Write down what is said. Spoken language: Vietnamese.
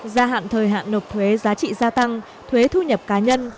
gia hạn thời hạn nộp thuế giá trị gia tăng thuế thu nhập cá nhân